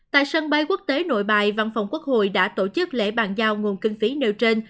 tại sân bay quốc tế nội bài văn phòng quốc hội đã tổ chức lễ bàn giao nguồn kinh phí nêu trên